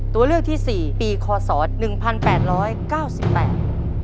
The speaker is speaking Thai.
ตัวเลือกที่สี่ปีคอสอหนึ่งพันแปดร้อยเก้าสิบแปด